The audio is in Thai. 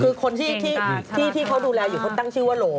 คือที่เขาดูแลอยู่คอนตั้งชื่อว่าหลง